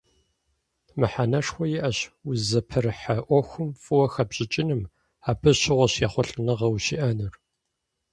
Мыхьэнэшхуэ иӀэщ узыпэрыхьэ Ӏуэхум фӀыуэ хэпщӀыкӀыным, абы щыгъуэщ ехъулӀэныгъэ ущиӀэнур.